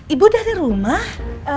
ibu dari rumah